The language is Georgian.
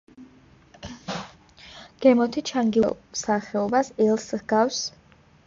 გემოთი ჩანგი ლუდის ერთ-ერთ სახეობას ელს ჰგავს.